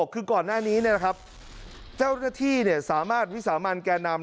คือก่อนหน้านี้เจ้าหน้าที่สามารถวิสามันแก่นำ